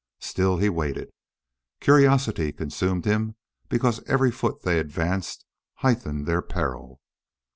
Still he waited. Curiosity consumed him because every foot they advanced heightened their peril.